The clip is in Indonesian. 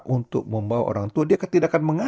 untuk membawa orang tua dia ketidakkan